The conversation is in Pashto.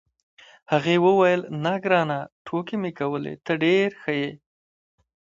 هغې وویل: نه، ګرانه، ټوکې مې کولې، ته ډېر ښه یې.